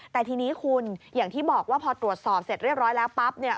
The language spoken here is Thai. แต่ทีนี้คุณอย่างที่บอกว่าพอตรวจสอบเสร็จเรียบร้อยแล้วปั๊บเนี่ย